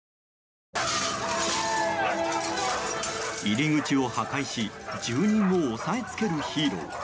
入り口を破壊し住人を押さえつけるヒーロー。